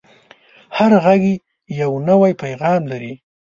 هر غږ یو نوی پیغام لري